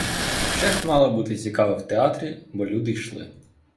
Щось мало бути цікаве в театрі, бо люди йшли.